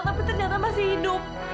tapi ternyata masih hidup